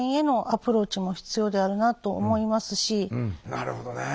なるほどね。